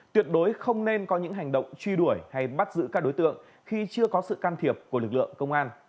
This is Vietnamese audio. tuyệt đối không nên có những hành động truy đuổi hay bắt giữ các đối tượng khi chưa có sự can thiệp của lực lượng công an